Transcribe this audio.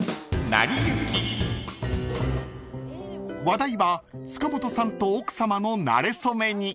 ［話題は塚本さんと奥さまのなれ初めに］